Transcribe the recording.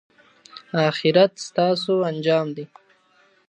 اخرت ستاسو انجام دی.